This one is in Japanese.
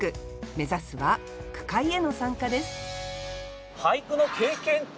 目指すは句会への参加です